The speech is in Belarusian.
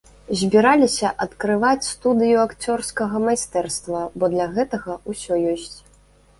Збіраліся адкрываць студыю акцёрскага майстэрства, бо для гэтага ўсё ёсць.